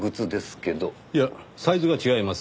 いやサイズが違います。